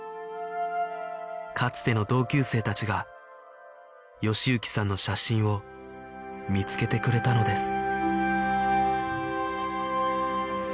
かつての同級生たちが喜之さんの写真を見つけてくれたのです